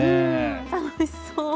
楽しそう。